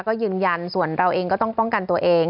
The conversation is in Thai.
ก็ยืนยันส่วนเราเองก็ต้องป้องกันตัวเอง